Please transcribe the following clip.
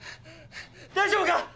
大丈夫か！？